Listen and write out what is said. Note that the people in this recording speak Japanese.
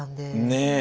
ねえ。